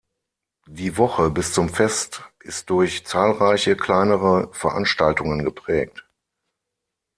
Die Woche bis zum Fest ist durch zahlreiche kleinere Veranstaltungen geprägt.